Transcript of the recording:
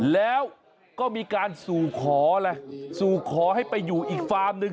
แล้วก็มีการสู่ขอเลยสู่ขอให้ไปอยู่อีกฟาร์มหนึ่ง